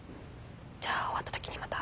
じゃ終わったときにまた。